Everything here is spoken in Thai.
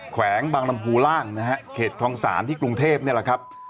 แขวงบางลำหูร่างเกตฐองซานที่กรุงเทพฯนี่แหละครับ